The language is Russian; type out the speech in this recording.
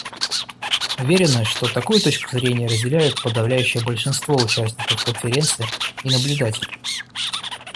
Уверены, что такую точку зрения разделяет подавляющее большинство участников Конференции и наблюдателей.